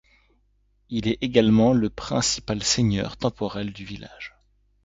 Il est également le principal seigneur temporel du village.